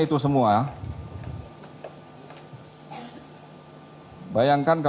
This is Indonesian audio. ada pelbagai tersangka